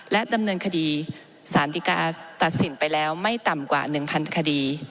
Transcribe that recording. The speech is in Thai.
ดำเนินคดีสารติกาตัดสินไปแล้วไม่ต่ำกว่า๑๐๐คดี